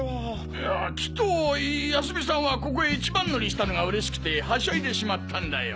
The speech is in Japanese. いやきっと泰美さんはここへ一番乗りしたのがうれしくてはしゃいでしまったんだよ。